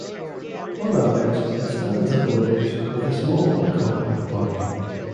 On average, it stands at the withers, with a small but compact body.